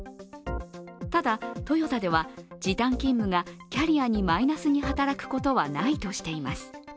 ただトヨタでは時短勤務がキャリアにマイナスに働くことはないとしています。